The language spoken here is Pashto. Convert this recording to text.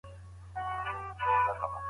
ښوونکي د شاګردانو استعدادونه پېژني.